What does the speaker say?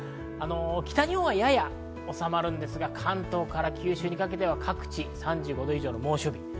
北日本はやや収まるんですが、関東から九州にかけては各地３５度以上の猛暑日。